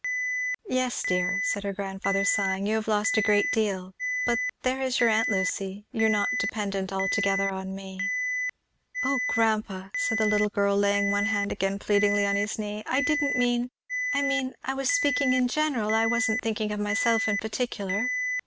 "Yes dear!" said her grandfather, sighing, "you have lost a great deal! But there is your aunt Lucy you are not dependent altogether on me." "Oh grandpa!" said the little girl laying one hand again pleadingly on his knee; "I didn't mean I mean I was speaking in general I wasn't thinking of myself in particular."